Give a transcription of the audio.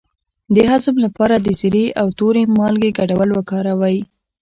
د هضم لپاره د زیرې او تورې مالګې ګډول وکاروئ